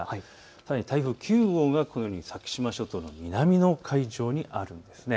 さらに台風９号が先島諸島の南の海上にあるんです。